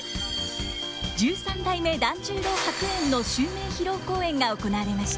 十三代團十郎白猿の襲名披露公演が行われました。